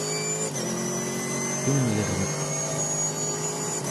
tunglirneq